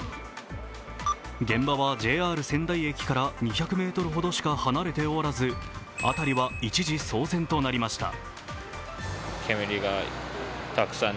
現場はＪＲ仙台駅から２００ｍほどしか離れておらず辺りは一時、騒然となりました。